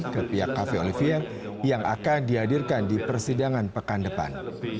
ke pihak cafe olivier yang akan dihadirkan di persidangan pekan depan